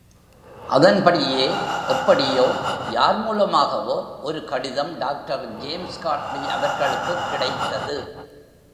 அதன்படியே எப்படியோ—யார் மூல மாகவோ ஒரு கடிதம் டாக்டர் ஜேம்ஸ் காட்லி அவர்களுக்குக் கிடைத்தது.